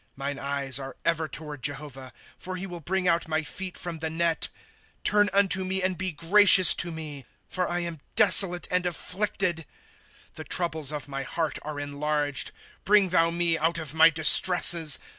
^^ Mine eyes are ever toward Jehovah ; For he will bring out my feet from the net. ^^ Turn unto me, and be gracious to me ; For I am desolate and afflicted. ^'' The troubles of my heart are enlarged ; Bring thou me out of my distresses.